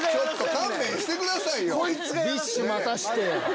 勘弁してくださいよ。